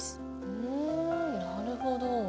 うんなるほど。